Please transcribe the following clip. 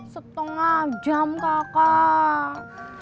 setengah jam kakak